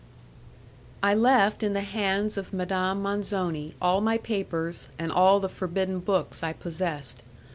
I left in the hands of Madame Manzoni all my papers, and all the forbidden books I possessed.